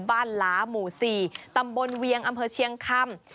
ล้าหมู่๔ตำบลเวียงอำเภอเชียงคำ